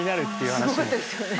すごかったですよね。